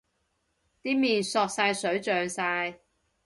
啲麵索晒水脹晒